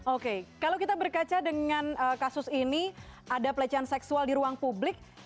oke kalau kita berkaca dengan kasus ini ada pelecehan seksual di ruang publik